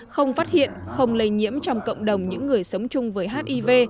không phát hiện không lây nhiễm trong cộng đồng những người sống chung với hiv